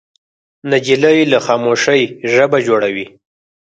نجلۍ له خاموشۍ ژبه جوړوي.